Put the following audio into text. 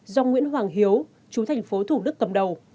do nguyễn hoàng hiếu chú thành phố thủ đức cầm đầu